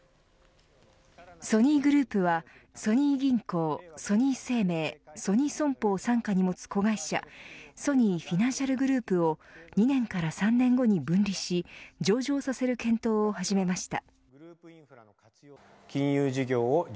ソニーグループは、ソニー銀行ソニー生命、ソニー損保を傘下に持つ子会社ソニーフィナンシャルグループを２年から３年後に分離し上場させる検討を始めました。